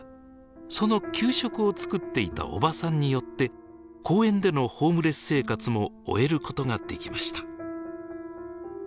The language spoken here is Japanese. その給食を作っていたおばさんによって公園でのホームレス生活も終えることができました。